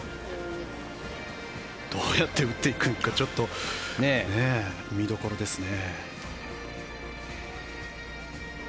どうやって打っていくのかちょっと見どころですね。